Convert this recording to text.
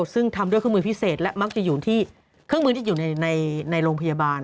ซึ่งทำด้วยเครื่องมือพิเศษและมักจะอยู่ที่เครื่องมือที่อยู่ในโรงพยาบาล